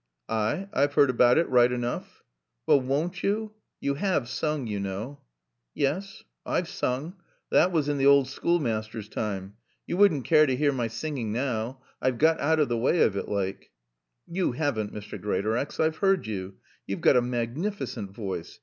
"Ay, I've heard about it, right enoof." "Well won't you? You have sung, you know." "Yes. I've soong. But thot was in t' owd schoolmaaster's time. Yo' wouldn't care to hear my singin' now. I've got out of the way of it, like." "You haven't, Mr. Greatorex. I've heard you. You've got a magnificent voice.